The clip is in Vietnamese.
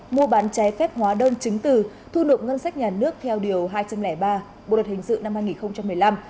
mua bán trái phép hóa đơn chứng từ thu nộp ngân sách nhà nước theo điều hai trăm linh ba bộ luật hình sự năm hai nghìn một mươi năm